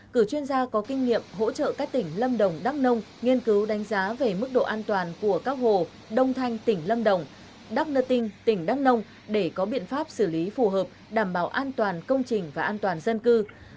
cử chuyên gia có kinh nghiệm hỗ trợ các tỉnh lâm đồng đắk nông nghiên cứu đánh giá về mức độ an toàn của các hồ đông thanh tỉnh lâm đồng đắk nơ tinh tỉnh đắk nông để có biện pháp xử lý phù hợp đảm bảo an toàn công trình và an toàn dân cư